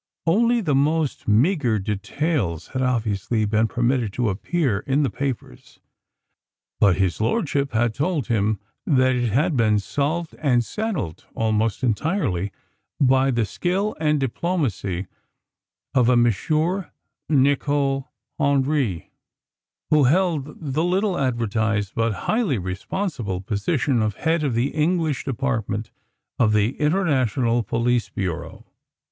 Only the most meagre details had obviously been permitted to appear in the papers, but His Lordship had told him that it had been solved and settled almost entirely by the skill and diplomacy of a M. Nicol Hendry, who held the little advertised but highly responsible position of Head of the English Department of the International Police Bureau.